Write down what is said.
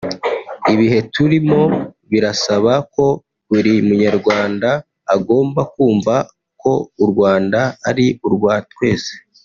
Ibihe turimo birasaba ko buri munyarwanda agomba kumva ko u Rwanda ari urwa twese